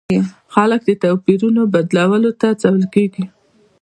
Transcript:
خلک د توپیرونو بدلولو ته هڅول کیږي.